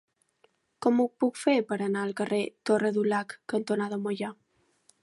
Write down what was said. Com ho puc fer per anar al carrer Torre Dulac cantonada Moià?